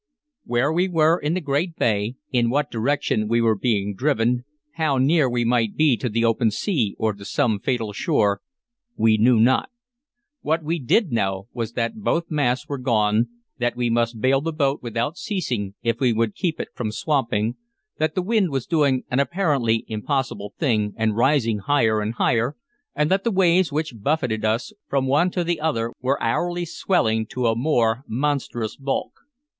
Where we were in the great bay, in what direction we were being driven, how near we might be to the open sea or to some fatal shore, we knew not. What we did know was that both masts were gone, that we must bail the boat without ceasing if we would keep it from swamping, that the wind was doing an apparently impossible thing and rising higher and higher, and that the waves which buffeted us from one to the other were hourly swelling to a more monstrous bulk.